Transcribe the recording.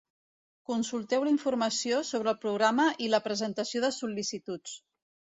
Consulteu la informació sobre el programa i la presentació de sol·licituds.